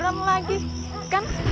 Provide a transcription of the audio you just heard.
saatku pandea pan pound